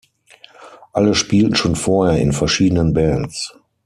Alle spielten schon vorher in verschiedenen Bands.